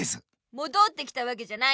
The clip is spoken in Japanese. もどってきたわけじゃない。